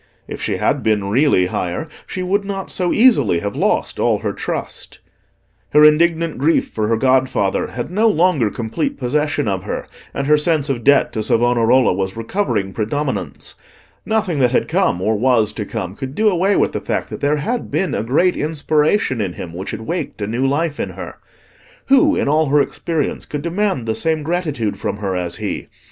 If she had been really higher, she would not so easily have lost all her trust. Her indignant grief for her godfather had no longer complete possession of her, and her sense of debt to Savonarola was recovering predominance. Nothing that had come, or was to come, could do away with the fact that there had been a great inspiration in him which had waked a new life in her. Who, in all her experience, could demand the same gratitude from her as he?